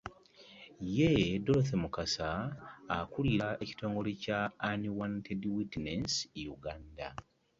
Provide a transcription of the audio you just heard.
Ye Dorothy Mukasa akulira ekitongole kya Unwanted Witness Uganda.